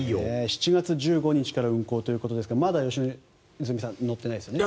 ７月１５日から運行ということですがまだ良純さんは乗ってないですよね。